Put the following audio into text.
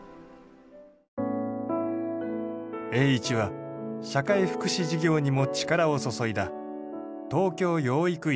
栄一は社会福祉事業にも力を注いだ。